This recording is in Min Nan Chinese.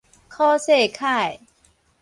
許世楷